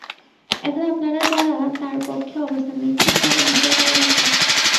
এখন আপনারা যাঁরা তাঁর পক্ষে অবস্থান নিচ্ছেন, তাঁদের বিচার হওয়া দরকার।